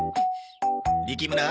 力むな。